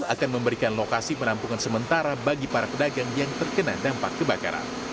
akan memberikan lokasi penampungan sementara bagi para pedagang yang terkena dampak kebakaran